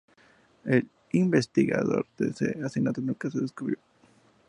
El instigador de su asesinato nunca se descubrió.